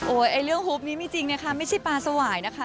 ไอ้เรื่องฮุบนี้มีจริงนะคะไม่ใช่ปลาสวายนะคะ